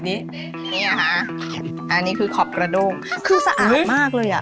มันเปลือยมากเลย